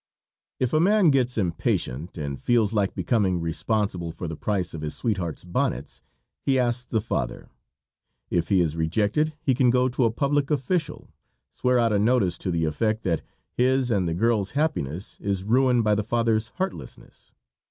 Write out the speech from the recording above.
If a man gets impatient and feels like becoming responsible for the price of his sweetheart's bonnets, he asks the father. If he is rejected he can go to a public official, swear out a notice to the effect that his and the girl's happiness is ruined by the father's heartlessness.